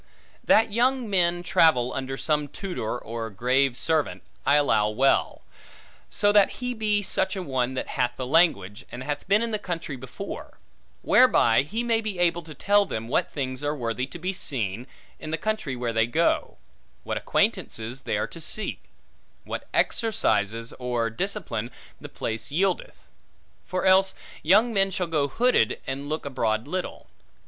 That young men travel under some tutor, or grave servant, I allow well; so that he be such a one that hath the language, and hath been in the country before; whereby he may be able to tell them what things are worthy to be seen, in the country where they go; what acquaintances they are to seek; what exercises, or discipline, the place yieldeth. For else, young men shall go hooded, and look abroad little.